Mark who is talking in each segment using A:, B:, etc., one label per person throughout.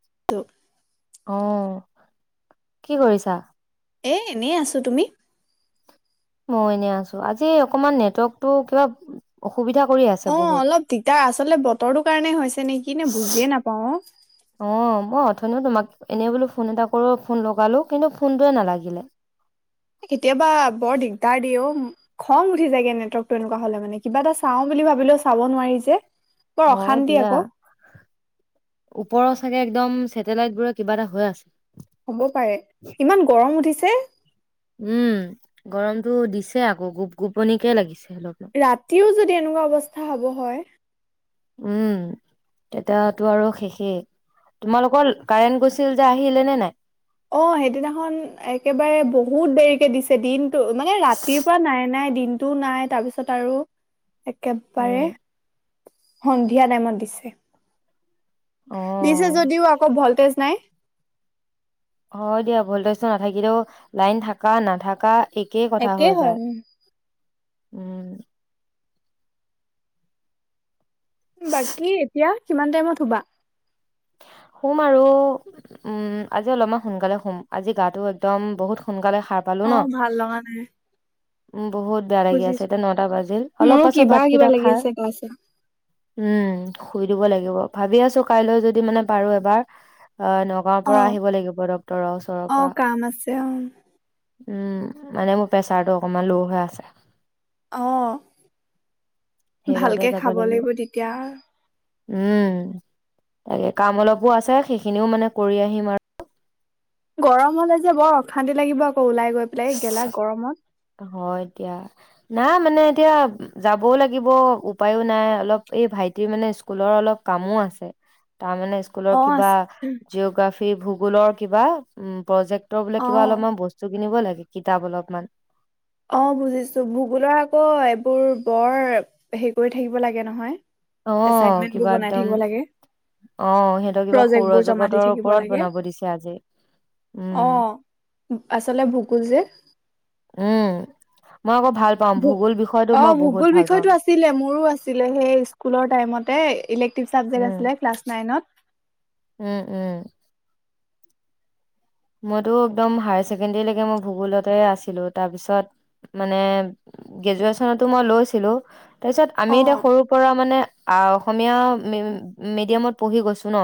A: [unintelligible]
B: অ', কি কৰিছা?
A: এ, এনেই আছো তুমি?
B: ময়ো এনেই আছো, আজি অকনমান নেটৱৰ্কতো কিবা অসুবিধা কৰি আ
A: অঁ, অলপ দিগদাৰ আচলতে বতৰটোৰ কাৰণে হৈছে নেকি নে বুজিয়ে নাপাও অ।
B: অঁ, মই অথনিও তোমাক এনেই বোলো ফোন এটা কৰো ফোন লগালো কিন্তু ফোনটোৱে নালাগিলে।
A: কেতিয়াবা বৰ দিগদাৰ দিয়ে অ। খং উঠি যায়গে নেটৱৰ্কটো এনেকুৱা হলে মানে, কিবা এটা চাওঁ বুলি ভাবিলেও চাব নোৱাৰি যে। বৰ
B: হয়
A: অশান্তি
B: দিয়া,
A: আকৌ
B: ওপৰৰ চাগে একদম ছেটেলাইট বোৰৰ কিবা এটা হৈ আছে।
A: হ'ব পাৰে, ইমান গৰম উঠিছে।
B: উম গৰমটো দিছে আকৌ, গোপ গোপনিকে লাগিছে অলপমান।
A: ৰাতিও যদি এনেকুৱা অৱস্থা হ'ব হয়।
B: উম। তেতিয়াতো আৰু শেষেই। তোমালোকৰ কাৰেণ্ট গৈছিল যে আহিলে নে নাই?
A: অ সেইদিনাখন একেবাৰে বহুত দেৰিকে দিছে, দিন টো মানে ৰাতিৰ পৰা নাই নাই দিনটোও নাই। তাৰপিছত আৰু একেবাৰে
B: উম,
A: সন্ধিয়া টাইমত দিছে। দিছে
B: অ'।
A: যদিও আকৌ ভল্টেজ নাই।
B: হয় দিয়া ভল্টেজটো নাথাকিলেও লাইন থাকা নাথাকা একেই কথা হৈ
A: হয়
B: যায়।
A: উম
B: উম।
A: বাকী এতিয়া কিমান টাইমত শুবা?
B: শুম আৰু। উম আজি অলপমান সোনকালে শুম আজি, গাটো একদম বহুত সোনকালে সাৰ পালো
A: অ',
B: ন,
A: ভাল লগা নাই
B: উম বহুত বেয়া লাগি আছে,
A: বুজিছো।
B: এতিয়া নটা বাজিল অলপ
A: মোৰো
B: পাছত
A: কিবা কিবা
B: ভাতকেইটা
A: লাগি
B: খাই
A: আছে গা চা।
B: উম শুই দিব লাগিব, ভাবি আছো কাইলৈ যদি মানে পাৰো এবাৰ অ এ গাঁৱৰ পৰা
A: অ',
B: আহিব লাগিব ডক্তৰৰ ওচৰৰ
A: অ',
B: পৰা।
A: কাম আছে অ',
B: উম, মানে মোৰ প্ৰেচাৰটো অকমান লৌ হৈ আছে।
A: অঁ,
B: সেইবাবে
A: ভালকে
B: যাব
A: খাব লাগিব তেতিয়া।
B: উম। তাকে কাম অলপো আছে, সেইখিনিও মানে কৰি আহিম আ
A: গৰম হলে যে বৰ অশান্তি লাগিব আকৌ ওলাই গৈ পেলাই এই
B: আৰু
A: গেলা গৰমত।
B: হয় দিয়া, নাই মানে এতিয়া যাবয়ো লাগিব উপায়ো নাই, অলপ এই ভাইটিৰ মানে স্কুলৰ অলপ কামো আছে। তাৰমানে স্কুলৰ
A: অ',
B: কিবা
A: আছে
B: জিঅগ্ৰাফি ভূগোলৰ কিবা উম প্ৰজেক্টৰ বোলে কিবা
A: অ'।
B: অলপমান ব স্তু কিনিব লাগে কিতাপ অলপমান।
A: অঁ বুজিছো, ভূগোলৰ আকৌ এইবোৰ বৰ হেৰি কৰি থাকিব লাগে নহয়।
B: অঁ,
A: এচাইনমেন্ট বোৰ
B: কিবা
A: বনাই
B: একদম
A: থাকিব লাগে।
B: অঁ সিহঁতৰ কিবা
A: প্ৰজেক্ট বোৰ জমা
B: সৌৰজগতৰ ওপৰত বনাব দিছে আজি। উম
A: অঁ আচলতে ভোগোল যে।
B: উম, মই আকৌ ভাল পাওঁ ভূগোল বিষয়টো মই বহুত ভাল পাওঁ।
A: ছিলে মোৰো আছিলে, সেই স্কুলৰ টাইমতে ইলেক্টিভ ছাবজেক্ট
B: উম
A: আছিলে ক্লাছ নাইনত।
B: উম উম। মইতো একদম হায়াৰ ছেকেণ্ডৰীলৈকে মই ভূগোলতে আছিলো, তাৰপিছত মানে গ্ৰেজুৱেচনতো মই লৈছিলো, তাৰপিছত আমি
A: অ
B: এতিয়া সৰু পৰা মানে অসমীয়া মি মিডিয়ামত পঢ়ি গৈছো ন।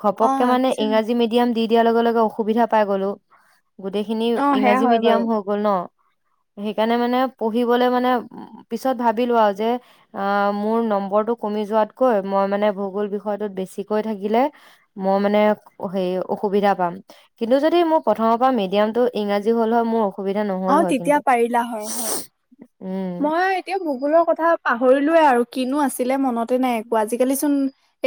B: ঘপকে মানে ইংৰাজী মিডিয়াম দি দিয়াৰ লগে লগে অসুবিধা পাই গলো। গোটেইখিনি
A: সেয়া
B: ইংৰাজী
A: হয় বাৰু
B: মিডিয়াম হৈ গ'ল ন, সেইকাৰণে মানে পঢ়িবলে মানে পিছত ভাবিলোঁ আৰু যে। আহ মোৰ নম্বৰটো কমি যোৱাতকৈ মই মানে ভোগোল বিষয়টোত বেছিকৈ থাকিলে মই মানে হে অসুবিধা পাম। কিন্তু যদি মোৰ প্ৰথমৰ পৰা মিডিয়ামটো ইংৰাজী হ'ল হয় মোৰ অসুবিধা নহ'ল
A: অ'
B: হয়
A: তেতিয়া
B: কিন্তু
A: পাৰিলা হয়, হয়
B: উম
A: মই এতিয়া ভূগোলৰ কথা পাহৰিলোৱে আৰু কিনো আছিলে মনতে নাই একো আজিকালি চোন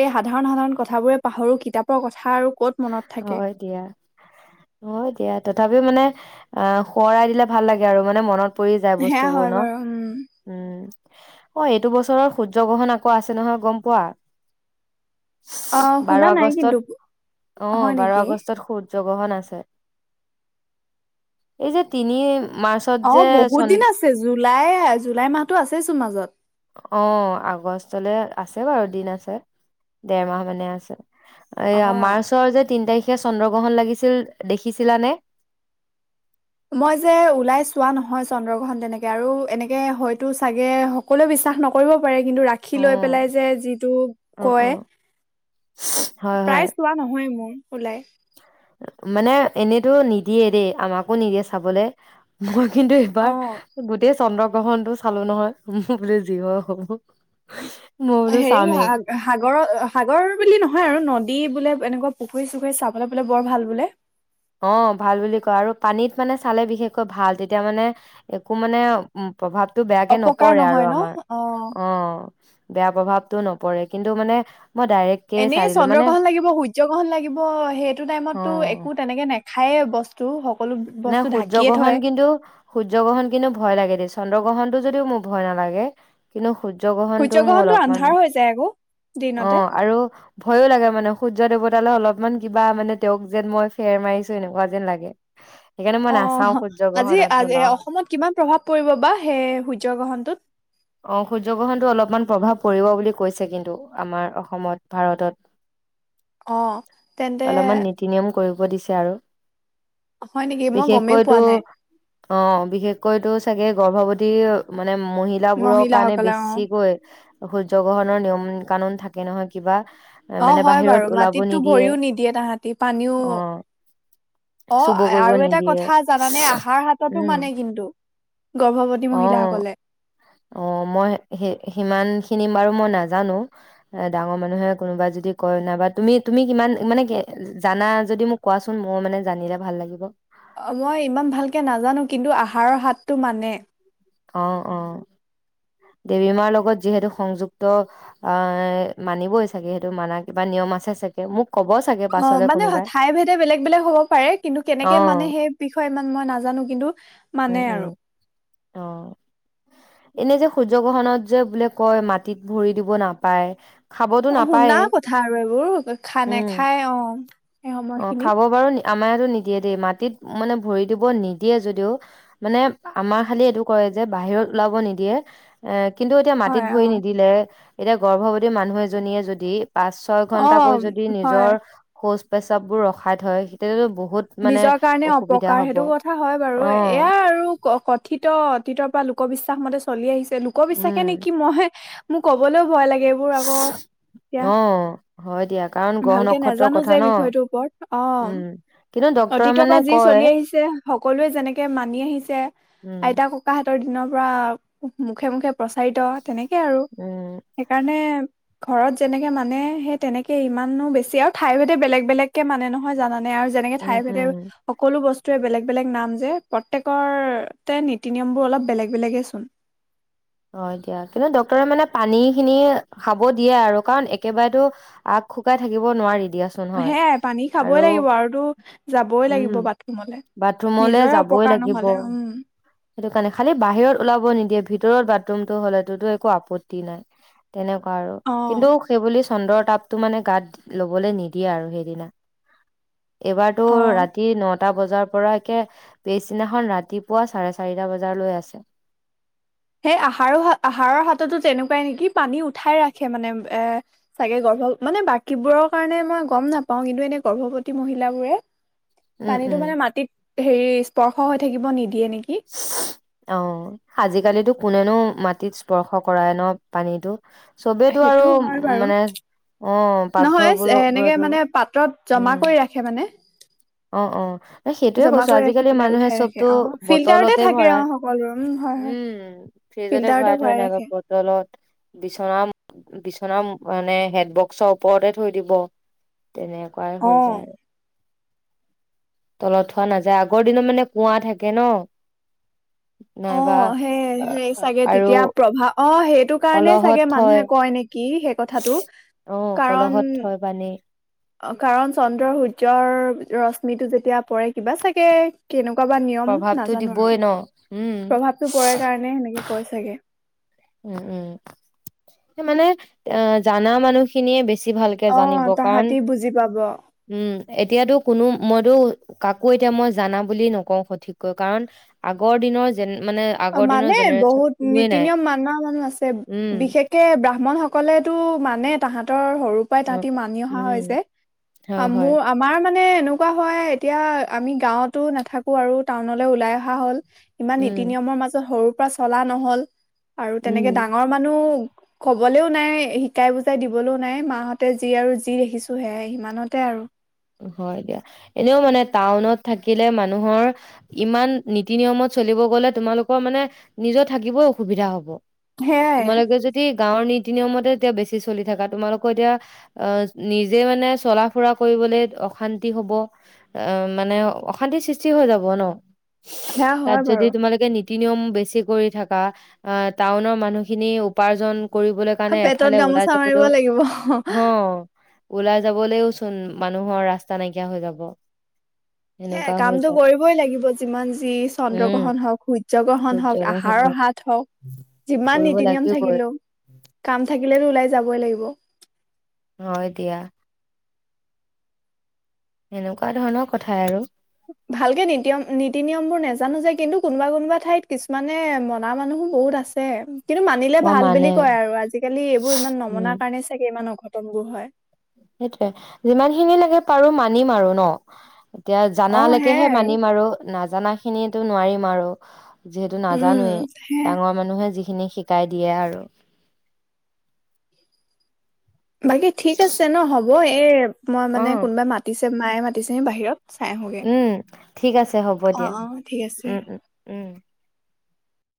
A: এই সাধাৰণ সাধাৰণ কথাবোৰে পাহৰো কিতাপৰ কথা আৰু কত মনত থাকে?
B: এয়া অ' দিয়া তথাপি মানে অ' শোঁৱৰাই দিলে ভাল লাগে আৰু মানে মনত পৰি যায়
A: সেয়া
B: বস্তুবোৰ
A: হয়
B: ন।
A: বাৰু উম
B: উম অ' এইটো বছৰৰ সূৰ্য গ্ৰহণ আকৌ আছে নহয় গম পোৱা?
A: অ'
B: বাৰ
A: শুনা নাই
B: আগষ্টত
A: কিন্তু।
B: অ'
A: হয়
B: বাৰ
A: নেকি
B: আগষ্টত সূ সূৰ্যগ্ৰহন আছে এই যে তিনি মাৰ্চ
A: অ' বহুত দিন আছে। জুলাই, জুলাই মাহতো আছে চোন মাজত।
B: অ' আগষ্টলে আছে বাৰু দিন আছে। দেৰ মাহ মানে আছে। এইয়া
A: অ
B: মাৰ্চৰ যে তিনি তাৰিখে চন্দ্ৰগ্ৰহণ লাগিছিল দেখিছিলানে?
A: মই যে ওলাই চোৱা নহয় চন্দ্ৰগ্ৰহণ তেনেকে আৰু এনেকে হয়তো চাগে সকলোৱে বিশ্বাস নকৰিব পাৰে কিন্তু ৰাশী
B: অ
A: লৈ পেলাই যে যিটো
B: অ অ
A: কয়
B: হয়
A: প্ৰায়
B: হয়
A: চোৱা নহয়য়ে মোৰ ওলাই।
B: মানে এনেইতো নিদিয়ে দেই আমাকো নিদিয়ে চাবলে। মই কিন্তু
A: অ
B: এইবাৰ গোটেই চন্দ্ৰগ্ৰহণটো চালো নহয় বুলো যি হয় হ'ব। মই বোলো
A: হেৰী হা
B: চামেই
A: সাগৰৰ, সাগৰ বুলি নহয় আৰু নদী বোলে এনেকুৱা পুখুৰী চুখুৰী চাবলৈ বোলে, বৰ ভাল বোলে।
B: অ' ভাল বুলি কয় আৰু পানীত মানে চালে বিশেষকৈ ভাল তেতিয়া মানে একো মানে উম প্ৰভাৱটো বেয়াকে
A: অপকাৰ
B: নপৰে
A: নহয়
B: আৰু
A: ন
B: আমাৰ
A: অ
B: অ'। বেয়া প্ৰভাৱটো নপৰে কিন্তু মানে মই ডাইৰেক
A: এনেই চন্দ্ৰগ্ৰহণ লাগিব, সূৰ্য গ্ৰহণ লাগিব সেইটো
B: অ
A: টাইমতটো একো তেনেকে নেখায় বস্তু টো সকলো
B: নাই
A: বস্তু
B: সূৰ্য
A: ঢাকিয়ে
B: গ্ৰহণ
A: থয়।
B: কিন্তু সূৰ্য গ্ৰহণ কিন্তু ভয় লাগে দেই চন্দ্ৰগ্ৰহণটো যদিও মোৰ ভয় নালাগে কিন্তু সূৰ্য গ্ৰহণটো মোৰ
A: সূৰ্যগ্ৰহণটো
B: অলপমান
A: [unintelligible]
B: অ' আৰু ভয়ো লাগে মানে সূৰ্য দেৱতালৈ অলপমান কিবা মানে তেওঁক যেন মই ফেৰ মাৰিছো এনেকুৱা যেন লাগে সেইকাৰণে মই
A: অ'
B: নাচাও সূৰ্য
A: আজি,
B: গ্ৰহণত
A: আজি
B: নোলাও
A: অসমত কিমান প্ৰভাৱ পৰিব বা সেই সূৰ্য গ্ৰহণটোত
B: অ' সূৰ্য গ্ৰহণটো অলপমান প্ৰভাৱ পৰিব বুলি কৈছে কিন্তু আমাৰ অসমত ভাৰতত
A: অ' তেন্তে
B: অলপমান নীতি নিয়ম কৰিব দিছে আৰু
A: হয় নেকি মই গমেই পোৱা
B: বিশেষকৈতো
A: নাই
B: অ' বিশেষকৈ তো চাগে গৰ্ভৱতী মানে মহি হিলাবোৰৰ কাৰণে
A: মহিলাসকলে অ
B: বেছিকৈ সূৰ্য গ্ৰহণৰ নিয়ম কানুন থাকে নহয় কিবা
A: অ'
B: মানে
A: হয়
B: বাহিৰত
A: বাৰু
B: ওলাব
A: মাটিতটো
B: নিদিয়ে
A: ভৰিও নিদিয়ে তাহাঁতি, পানীও
B: অ
A: অ'
B: চুব কৰিব
A: আৰু এটা
B: নিদিয়ে
A: কথা জানানে আহাৰ হাতটো
B: উম
A: মানে কিন্তু গৰ্ভৱতী
B: অ
A: মহিলাসকলে
B: অ মই সি সিমান খিনি বাৰু মই নাজানো এ ডাঙৰ মানুহে কোনোবা যদি কয় নাইবা তুমি তুমি কিমান মানে জানা যদি মোক কোৱাচোন মই মানে জানিলে ভাল লাগিব
A: অ মই ইমান ভালকে নাজানো কিন্তু আহাৰৰ হাতটো মানে
B: অ অ দেৱী মাৰ লগত যিহেতু সংযুক্ত অ মানিবই চাগে সেইটো মানাৰ কিবা নিয়ম আছে চাগে মোক ক'ব চাগে
A: অ
B: পাছলে
A: মানে
B: কোনোবাই
A: ঠাই ভেদে বেলেগ বেলেগ হ'ব পাৰে কিন্তু
B: অ
A: কেনেকে মানে সেই বিষয়ে ই মই নাজানো কিন্তু মানে
B: উম
A: আৰু
B: উম অ
A: [inaudible]
B: এনে যে সূৰ্য গ্ৰহণত যে বোলে কয় মাটিত ভৰি দিব নাপায় খাবতো
A: অ শুনা
B: নাপায়ে
A: কথা আৰু এইবোৰ খা
B: উম
A: নেখায় অ সেই
B: অ
A: সময়খিনিত
B: খাব বাৰু আমাৰ ইয়াতো নিদিয়ে দেই মাটিত মানে ভৰি দিব নিদিয়ে যদিও মানে আমাৰ খালি এইটো কৰে যে বাহিৰত ওলাব নিদিয়ে এ কিন্তু এতিয়া মাটিত
A: হয় অ
B: ভৰি নিদিলে এতিয়া গৰ্ভৱতী মানুহ এজনীয়ে যদি পাচ ছয়
A: অ
B: ঘন্টাকৈ যদি
A: হয়
B: নিজৰ শৌচ প্ৰেচাৱবোৰ ৰখাই থয় তেতিয়াতো বহুত মানে
A: নিজৰ কাৰণে
B: অসুবিধা
A: অপকাৰ
B: হব
A: সেইটো কথা হয় বাৰু
B: অ
A: এয়া আৰু কথিত অতীতৰ পৰা লোকবিশ্বাস মতে চলি আহিছে লোকবিশ্বাসে
B: উম
A: নেকি মই মোৰ কবলৈও ভয় লাগে এইবোৰ আকৌ এতিয়া
B: অ হয় দিয়া কাৰণ গ্ৰহ
A: ভালকে
B: নক্ষত্ৰৰ
A: নাজানো
B: কথা
A: যে
B: ন
A: বিষয়টোৰ ওপৰত অ
B: উম কিন্তু ডক্তৰে
A: অতীতৰ
B: মানে
A: পা যি
B: কয়
A: চলি আহিছে সকলোৱে যেনেকে মানি আহিছে
B: উম
A: আইতা ক ককাহতৰ দিন পা মুখে মুখে প্ৰচাৰিত তেনেকে আৰু
B: উম
A: সেইকাৰণে ঘৰত যেনেকে মানে সেই তেনেকে ইমানো বেছি আৰু ঠাই ভদে বেলেগ বেলেগকে মানে নহয় জানে আৰু যেনেকে
B: উম
A: ঠাই ভেদেও
B: উম
A: সকলো বস্তুৱে বেলেগ বেলেগ নাম যে প্ৰত্যেকতে নীতি নিয়মবোৰ অলপ বেলেগ বেলেগে চোন
B: অ দিয়া কিন্তু ডক্তৰে মানে পানী খিনি খাব দিয়ে আৰু কাৰণ একেবাৰেতো আগ শুকাই থাকিব নোৱাৰি দিয়াচো
A: সেয়াই পানী খাবই লাগিব আৰু তো যাবই লাগিব
B: উম
A: বাথৰুমলে
B: বাথৰুমলে
A: নিজৰে
B: যাবই
A: অপকাৰ
B: লাগিব
A: নহলে উম
B: সেইটো কাৰণে খালি বাহিৰত ওলাব নিদিয়ে ভিতৰত বাথৰুমটো হ'লেতো তো একো আপত্তি নাই তেনেকুৱা আৰু
A: অ
B: কিন্তু সেইবুলি চন্দ্ৰৰ তাপটো মানে গাত লবলে নিদিয়ে আৰু সেইদিনা এইবাৰতো
A: অ
B: ৰাতি নটা বজাৰ পৰা একে পিছদিনাখন ৰাতিপুৱা চাৰে ছ চাৰিটা বজাৰ লৈ আছে
A: সেই আহাৰো আহাৰৰ হাততো তেনেকুৱাই নিকি পানী উঠাই ৰাখে মানে এ চাগে গৰ্ভ মানে বাকীবোৰৰ কাৰণে মই গম নাপাও কিন্তু এনে গৰ্ভৱতী মহিলাবোৰে
B: উম
A: পানীটো
B: উম
A: মানে মাটিত হেৰি স্পৰ্শ হৈ থাকিব নিদিয়ে নিকি
B: অ আজিকালিতো কোনেনো মাটিত স্পৰ্শ কৰায় ন পানীটো চবেইতো আৰু
A: সেইটো হয়
B: উ
A: বাৰু
B: মানে অ পাকঘৰ
A: নহয়
B: বোলো
A: এনেকে
B: বোৰতো
A: মানে পাত্ৰত জমা
B: উম
A: কৰি ৰাখে মানে
B: অ অ এ সেইটোয়ে
A: জমা
B: কৈছো
A: কৰি ৰাখি
B: আজিকালি
A: পেলাই
B: মানুহে
A: উঠাই ৰাখে
B: চবতো
A: অ ফিল্টাৰতে
B: বটলতে
A: থাকে অ
B: ভৰাই
A: সকলো উম হয় হয়
B: উম ফ্ৰিজতে
A: ফিল্টাৰতে
B: ভৰাই থৈ নাইবা
A: ৰাখে।
B: বটলত বিচনাম বিচনা মানে হেড বক্সৰ ওপৰতে থৈ দিব তেনেকুৱাই
A: অ
B: হৈ যায় আৰু তলত থোৱা নাযায় আগৰ দিনত মানে কুঁৱা থাকে ন
A: অ
B: নাইবা
A: সেই সেই চাগে
B: আৰু
A: তেতিয়া প্ৰভাৱ অ সেইটো কাৰণে
B: কলহত
A: চাগে
B: থয়
A: মানুহে কয় নেকি কি সেই কথাটো।
B: অ
A: কাৰণ
B: কলহত থয় পানী।
A: কাৰণ চন্দ্ৰ সূৰ্যৰ ৰশ্মিটো যেতিয়া পৰে কিবা চাগে কেনেকুৱা বা নিয়ম
B: প্ৰভাৱটো
A: নাজানো আৰু
B: দিবই ন উম
A: প্ৰভাৱটো পৰে কাৰণে সেনেকে কৈ চাগে।
B: উম উম মানে অ জানা মানুহ খিনিয়ে বেছি ভাল
A: অ
B: জানিব কাৰণ
A: তাহাঁতি বুজি পাব
B: উম এতিয়াতো কোনো মইতো কাকো এতিয়া মই জানা বুলি নকওঁ সঠিককৈ কাৰণ আগৰ দিনৰ যেন মানে
A: অ
B: আগৰ দিনৰ
A: মানে
B: জেনেৰেশ্যন
A: বহুত
B: কোনোৱে
A: নীতি
B: নাই
A: নিয়ম মানা মানুহ আছে
B: উম
A: বিশেষ তকে ব্ৰাহ্মণ সকলে তো মানে তাহাঁতৰ সৰু পাই
B: অ
A: তাহাতি মানি অহা
B: উম
A: হয় যে
B: হয় হয়
A: মোৰ আমাৰ মানে এনেকুৱা হয় এতিয়া আমি গাঁৱতো নাথাকো আৰু টাউনলৈ ওলাই অহা হ'ল ইমান নীতি
B: উম
A: নিয়মৰ মাজত সৰুৰ পৰা চলা নহ'ল আৰু
B: উম
A: তেনেকে ডাঙৰ মানুহ কবলৈও নাই শিকাই বুজাই দিবলৈও নাই মাহঁতে যি আৰু যি দেখিছোঁ সেয়াই সিমানতে আৰু
B: হয় দিয়া এনেও মানে টাউনত থাকিলে মানুহৰ ইমান নীতি নিয়মত চলিব গলে তোমালোকৰ মানে নিজৰ থাকিবও অসুবিধা হ'ব।
A: সেয়াই
B: তোমালোকে যদি গাঁৱৰ নীতি নিয়মতে এতিয়া বেছি চলি থাকা তোমালোকৰ এতিয়া অ নিজে মানে চলা ফুৰা কৰিবলৈ অশান্তি হ'ব অ মানে অশান্তিৰ সৃষ্টি হৈ যাব ন।
A: সেয়া
B: তাত
A: হয়
B: যদি
A: বাৰু
B: তোমালোকে নি নীতি নিয়ম বেছি কৰি থকা টাউনৰ মানুহখিনি উপাৰ্জন কৰিবলে কাৰণে
A: পেটত
B: এফালে ওলাই
A: গামোচা মাৰিব
B: যাবলৈও
A: লাগিব
B: অ। ওলাই যাবলৈওচোন মানুহৰ ৰাস্তা নাইকিয়া হৈ যাব।
A: হে
B: সেনেকুৱা হৈ
A: কামটো
B: যায়
A: কৰিবই লাগিব যিমান যি চন্দ্ৰ
B: উম
A: গ্ৰহণ হওঁক সূৰ্য গ্ৰহণ হওঁক আহাৰৰ
B: সূৰ্যগ্ৰহণত
A: হাত থক যিমান
B: কৰিব
A: নীতি নিয়ম
B: লাগিবই
A: থাকিলোঁ কাম থাকিলেতো ওলাই যাবই লাগিব।
B: হয় দিয়া। সেনেকুৱা ধৰণৰ কথাই আৰু
A: ভালকে নীতিয়ম নীতি নিয়ম বোৰ নোজানো যে কিন্তু কোনোবা কোনোবা ঠাইত কিছুমানে মনা মানুহো বহুত আছে। যে কিন্তু মানিলে
B: অ
A: ভাল বুলি
B: মানে
A: কয় আৰু আজিকালি এইবোৰ ইমান
B: উম
A: নমনাৰ কাৰণেই চাগে ইমান অঘটন বোৰ হয়।
B: সেইটোয়ে যিমান খিনিলেকে পাৰোঁ মানিম আৰু ন এতিয়া
A: অ সেয়াই
B: জানালৈকেহে মানিম আৰু নাজানা খিনিতো নোৱাৰিম আৰু যিহেতু
A: উম
B: নাজানোৱেই
A: সেয়াই
B: ডাঙৰ মানুহে যিখিনি শিকাই দিয়ে আৰু
A: বাকী ঠিক আছে ন হ'ব এই মই
B: অ
A: মানে কোনোবাই মাতিছে মায়ে মাতিছে বাহিৰত। চাই আহোগে
B: উম ঠিক আছে হ'ব
A: অ
B: দিয়া
A: অ ঠিক আছে
B: উম উম উম